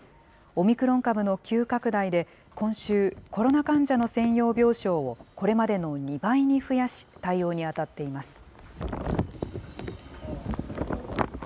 オミクロン株の急拡大で今週、コロナ患者の専用病床をこれまでの２倍に増やし、対応に当たっています。